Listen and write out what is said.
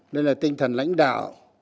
đây là tinh thần lãnh đạo